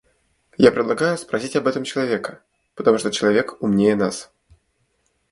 Я предлагаю спросить об этом человека, потому что человек умнее нас.